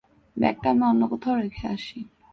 ব্যাগটা আমি অন্য কোথাও রেখে আসি।